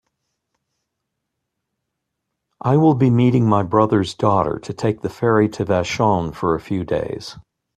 I will be meeting my brother's daughter to take the ferry to Vashon for a few days.